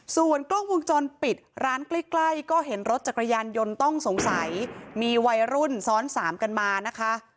ส่วนกล้องวงจรปิดร้านใกล้ใกล้ก็เห็นรถจักรยานยนต์ต้องสงสัยมีวัยรุ่นซ้อนสามกันมานะคะ